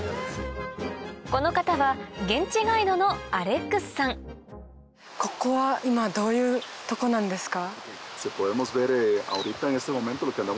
この方は現地ここは今どういう所なんですか？